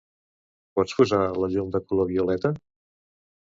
Pots posar la llum de color violeta?